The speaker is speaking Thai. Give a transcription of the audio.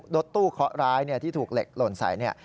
รถตู้เคาะร้ายที่ถูกเหล็กหล่นใสเนี่ย